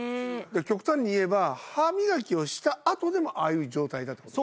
だから極端にいえば歯磨きをしたあとでもああいう状態だって事。